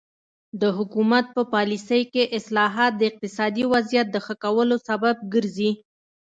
د حکومت په پالیسۍ کې اصلاحات د اقتصادي وضعیت د ښه کولو سبب ګرځي.